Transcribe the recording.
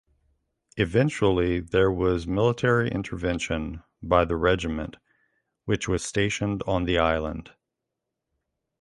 Eventually there was military intervention by the regiment which was stationed on the island.